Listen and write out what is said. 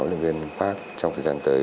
luyện viên park trong thời gian tới